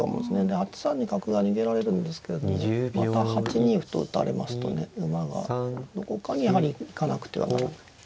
８三に角が逃げられるんですけれどもまた８二歩と打たれますとね馬がどこかにやはり行かなくてはならない。